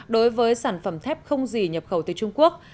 đối với sản phẩm thép không gì nhập khẩu từ trung quốc